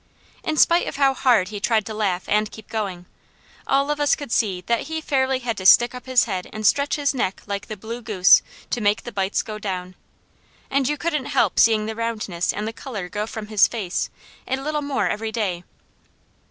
In spite of how hard he tried to laugh, and keep going, all of us could see that he fairly had to stick up his head and stretch his neck like the blue goose, to make the bites go down. And you couldn't help seeing the roundness and the colour go from his face, a little more every day.